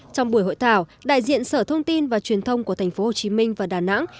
trong buổi hội thảo đại diện sở thông tin và truyền thông của thành phố hồ chí minh và đà nẵng